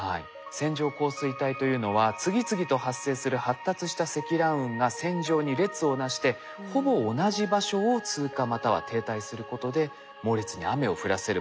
線状降水帯というのは次々と発生する発達した積乱雲が線状に列をなしてほぼ同じ場所を通過または停滞することで猛烈に雨を降らせるもの。